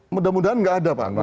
mudah mudahan nggak ada pak